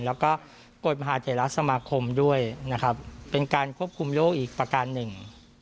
แล้วก็กฎมหาเถระสมาคมด้วยนะครับเป็นการควบคุมโรคอีกประการหนึ่ง